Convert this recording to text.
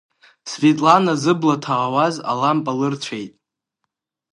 Светлана зыбла ҭаауаз алампа лырцәеит.